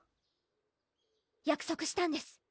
約束したんです